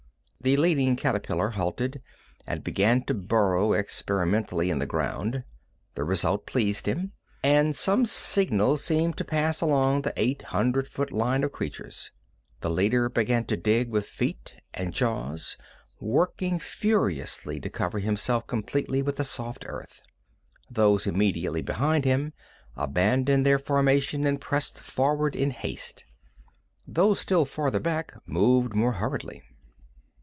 The leading caterpillar halted, and began to burrow experimentally in the ground. The result pleased him, and some signal seemed to pass along the eight hundred foot line of creatures. The leader began to dig with feet and jaws, working furiously to cover himself completely with the soft earth. Those immediately behind him abandoned their formation, and pressed forward in haste. Those still farther back moved more hurriedly.